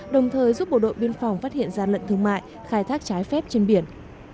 đồng thời giúp bộ đội biên phòng phát hiện gian lận thương mại khai thác trái phép trên biển